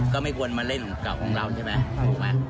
ก็ไม่ควรมาเล่นกับของเราใช่ไหม